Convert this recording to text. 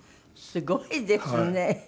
すごいですね。